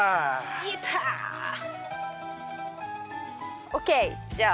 やった。ＯＫじゃあ。